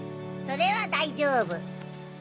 それは大丈夫。